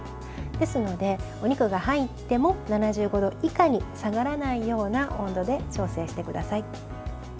ですので、お肉が入っても７５度以下に下がらないような温度で調整してください。